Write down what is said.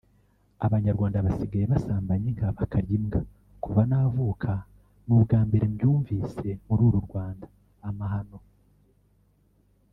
Abanyarwanda basigaye basambanya inka bakarya imbwa (kuva navuka ni umbwambere mbyumvise muri uru Rwanda = amahano)